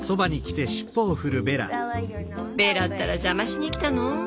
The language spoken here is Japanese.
ベラったら邪魔しにきたの？